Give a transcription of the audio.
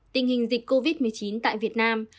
tình hình dịch covid một mươi chín tại việt nam